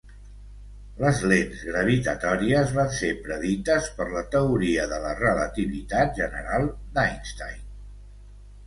Les lents gravitatòries van ser predites per la teoria de la relativitat general d'Einstein.